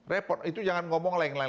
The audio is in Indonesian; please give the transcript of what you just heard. repot itu jangan ngomong lain